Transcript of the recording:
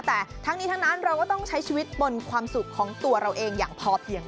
แต่ทั้งนี้ทั้งนั้นเราก็ต้องใช้ชีวิตบนความสุขของตัวเราเองอย่างพอเพียง